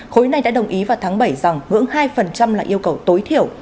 khối này đã đồng ý vào tháng bảy rằng ngưỡng hai là yêu cầu tối thiểu